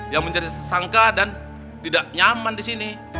yang menjadi sangka dan tidak nyaman di sini